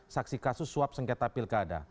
saksi kasus suap sengketa pilkada